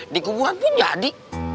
dikubur aku jadi